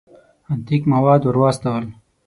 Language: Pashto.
انتیک مواد ور واستول.